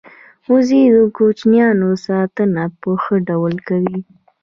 وزې د کوچنیانو ساتنه په ښه ډول کوي